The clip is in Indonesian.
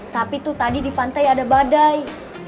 tapi tuh tadi di pantai ada badai